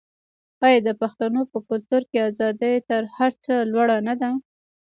آیا د پښتنو په کلتور کې ازادي تر هر څه لوړه نه ده؟